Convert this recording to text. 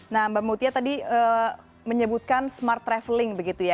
nah mbak mutia tadi menyebutkan smart traveling begitu ya